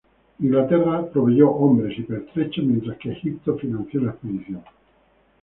Inglaterra proveyó hombres y pertrechos, mientras que Egipto financió la expedición.